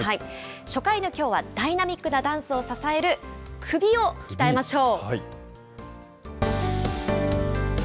初回のきょうはダイナミックなダンスを支える、首を鍛えましょう。